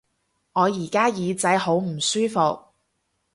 我而家耳仔好唔舒服